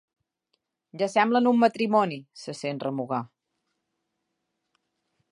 Ja semblem un matrimoni —se sent remugar.